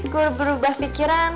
gue berubah pikiran